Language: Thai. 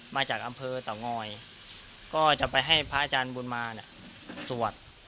มาจากอำเภอเตางอยก็จะไปให้พระอาจารย์บุญมาเนี่ยสวด